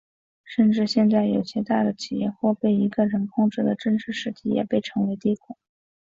甚至现在有些大的企业或被一个人控制的政治实体也被称为帝国。